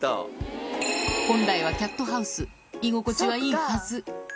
本来はキャットハウス、居心地はいいはず。